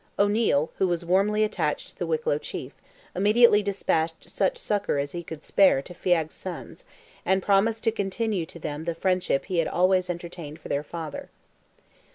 O'Neil, who was warmly attached to the Wicklow chief, immediately despatched such succour as he could spare to Feagh's sons, and promised to continue to them the friendship he had always entertained for their father.